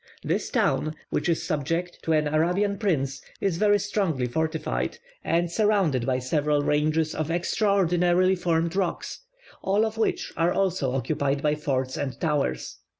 This town, which is subject to an Arabian prince, is very strongly fortified, and surrounded by several ranges of extraordinarily formed rocks, all of which are also occupied by forts and towers.